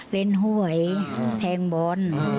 เล่นห้วยแทงบอล